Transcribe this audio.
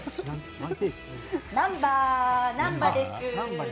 なんば、なんばです。